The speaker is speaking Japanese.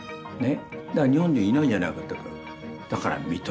だから日本人はいないじゃないかって。